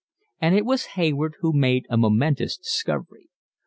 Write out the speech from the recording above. And it was Hayward who made a momentous discovery.